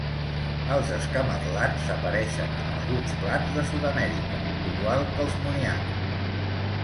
Els escamarlans apareixen en alguns plats de Sud-amèrica, igual que els moniatos.